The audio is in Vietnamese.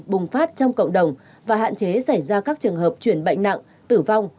bùng phát trong cộng đồng và hạn chế xảy ra các trường hợp chuyển bệnh nặng tử vong